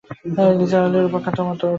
নিসার আলি রূপার খাতার পাতা ওল্টালেন।